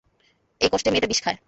এই কষ্টে, মেয়েটা বিষ খায়।